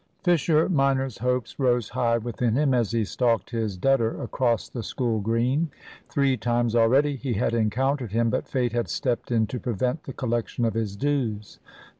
Fisher minor's hopes rose high within him as he stalked his debtor across the School Green. Three times already he had encountered him, but fate had stepped in to prevent the collection of his dues.